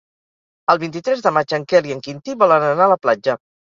El vint-i-tres de maig en Quel i en Quintí volen anar a la platja.